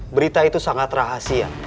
berita itu sangat rahasia